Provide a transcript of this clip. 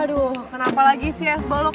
aduh kenapa lagi sih ya sebalok